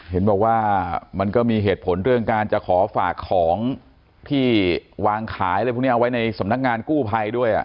เห็นบอกว่ามันก็มีเหตุผลเรื่องการจะขอฝากของที่วางขายอะไรพวกนี้เอาไว้ในสำนักงานกู้ภัยด้วย